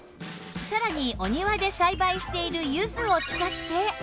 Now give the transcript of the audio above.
さらにお庭で栽培しているゆずを使って